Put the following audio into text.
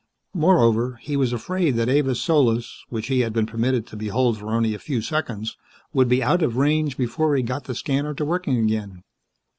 Moreover, he was afraid that Avis Solis, which he had been permitted to behold for only a few seconds, would be out of range before he got the scanner to working again.